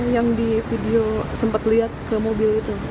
yang di video sempat lihat ke mobil itu